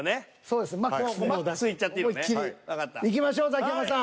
いきましょうザキヤマさん。